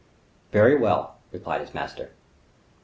"Very well!" replied his master.